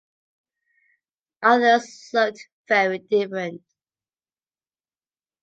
Others looked very different.